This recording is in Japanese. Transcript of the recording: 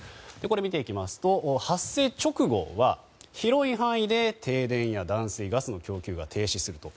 見ていきますと発生直後は広い範囲で停電や断水、ガスの供給が停止すると。